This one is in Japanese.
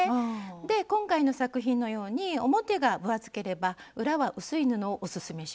で今回の作品のように表が分厚ければ裏は薄い布をオススメします。